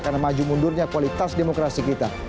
karena maju mundurnya kualitas demokrasi kita